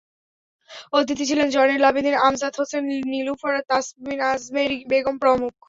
অতিথি ছিলেন জয়নুল আবেদীন, আমজাদ হোসেন, নিলুফার তাসনিম, আজমেরী বেগম প্রমুখ।